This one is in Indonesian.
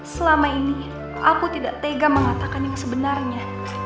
selama ini aku tidak tega mengatakan yang sebenarnya